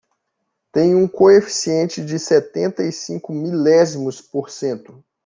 Tem um coeficiente de setenta e cinco milésimos por cento.